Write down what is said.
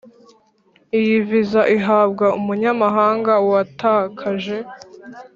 Iyi viza ihabwa umunyamahanga watakaje